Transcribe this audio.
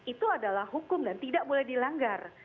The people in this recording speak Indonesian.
itu adalah hukum dan tidak boleh dilanggar